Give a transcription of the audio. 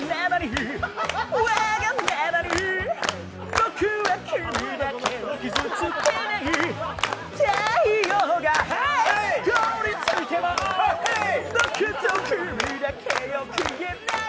僕は君だけを傷つけない